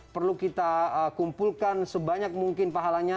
perlu kita kumpulkan sebanyak mungkin pahalanya